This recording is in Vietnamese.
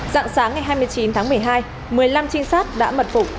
dạng sáng ngày hai mươi chín tháng một mươi hai một mươi năm trinh sát đã mật phục